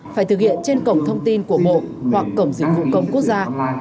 phải thực hiện trên cổng thông tin của bộ hoặc cổng dịch vụ công quốc gia